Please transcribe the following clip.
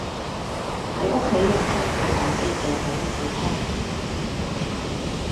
喺屋企用真鼓打機嘅第一次聽